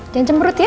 jangan cemberut ya